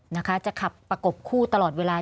นะคะจะขับประกบคู่ตลอดเวลา